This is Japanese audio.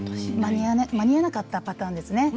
間に合わなかったパターンですね。